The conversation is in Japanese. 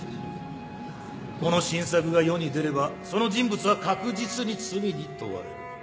この新作が世に出ればその人物は確実に罪に問われる。